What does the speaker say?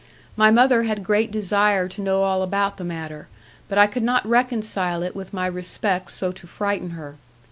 My mother had great desire to know all about the matter; but I could not reconcile it with my respect so to frighten her.